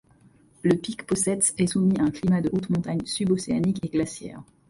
Le pic Posets est soumis à un climat de haute montagne subocéanique et glaciaire.